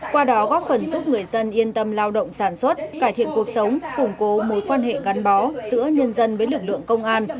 qua đó góp phần giúp người dân yên tâm lao động sản xuất cải thiện cuộc sống củng cố mối quan hệ gắn bó giữa nhân dân với lực lượng công an